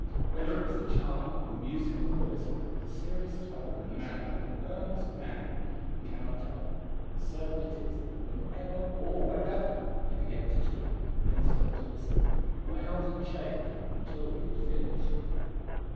Whether it was the charm of a musical voice, or the serious tone and manner of an earnest man, we cannot tell, but certain it is, that whenever or wherever he began to talk, men stopped to listen, and were held enchained until he had finished.